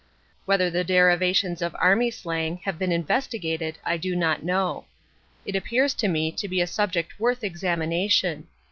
Whether the derivations of army slang have been investigated I do not know. It appears to me to be a subject worth examination.